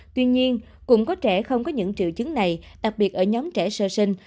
tuy nhiên cũng có trẻ không có những triệu chứng này đặc biệt ở nhóm trẻ sơ sinh